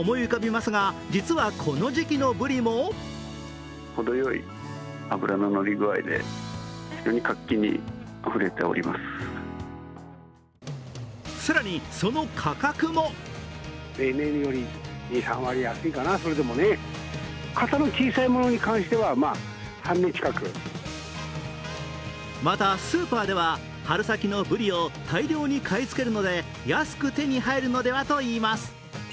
まずが、実はこの時期のぶりも更に、その価格もまたスーパーでは春先のぶりを大量に買い付けるので安く手に入るのではといいます。